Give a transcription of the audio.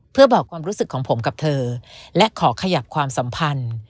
เพื่อบอกความรู้สึกของผมกับเธอและขอขยับความสัมพันธ์